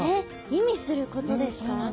意味することですか？